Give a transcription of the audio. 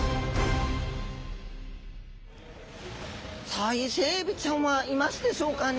さあイセエビちゃんはいますでしょうかね？